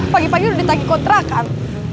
pagi pagi udah ditanggi kontra kan